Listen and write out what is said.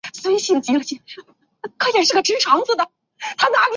本剧发生在三部曲里前一部剧费加罗的婚礼的二十年后。